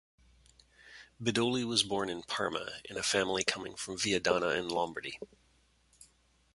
Bedoli was born in Parma in a family coming from Viadana in Lombardy.